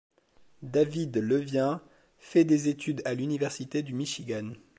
David Levien fait des études à l'université du Michigan.